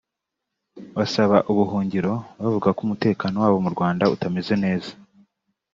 basaba ubuhungiro bavuga ko umutekano wabo mu Rwanda utameze neza